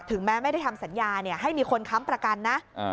ถึงแม่ไม่ได้ทำสัญญาเนี่ยให้มีคนค้ำประกันนะ